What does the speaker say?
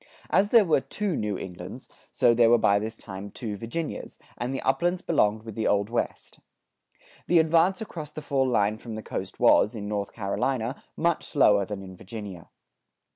As there were two New Englands, so there were by this time two Virginias, and the uplands belonged with the Old West. The advance across the fall line from the coast was, in North Carolina, much slower than in Virginia.